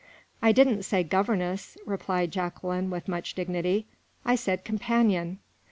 "I didn't say governess," replied Jacqueline, with much dignity. "I said companion."